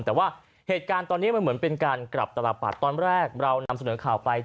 แต่เวลาเป็นการกลับตลาดปัด